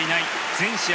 全試合